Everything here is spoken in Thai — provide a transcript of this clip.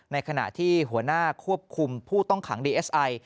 ในขณะที่หัวหน้าควบคุมผู้ต้องขังดีเอสไอ